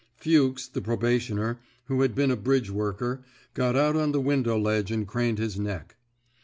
Fuchs, the probationer, who had been a bridge worker, got out on the window ledge and craned his neck.